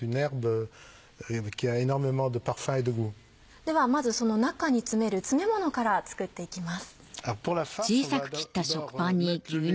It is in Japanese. ではまずその中に詰める詰めものから作って行きます。